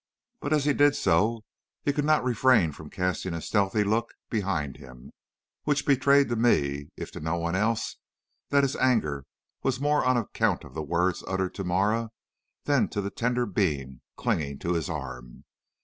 But as he did so he could not refrain from casting a stealthy look behind him, which betrayed to me, if to no one else, that his anger was more on account of the words uttered to Marah than to the tender being clinging to his arm.